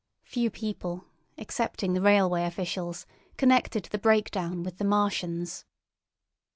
Few people, excepting the railway officials, connected the breakdown with the Martians.